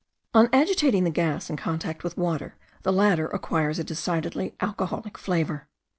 On agitating the gas in contact with water, the latter acquires a decidedly alcoholic flavour.